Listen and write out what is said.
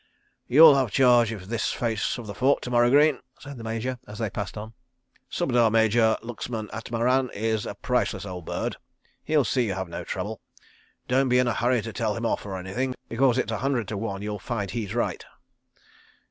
"You'll have charge of this face of the fort to morrow, Greene," said the Major, as they passed on. "Subedar Major Luxman Atmaram is a priceless old bird. He'll see you have no trouble. ... Don't be in a hurry to tell him off for anything, because it's a hundred to one you'll find he's right."